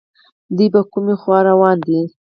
دوی په کومې خوا روان دي